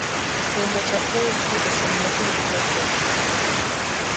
Kwenda tshaphezu kasumbi yatshivila khekhe.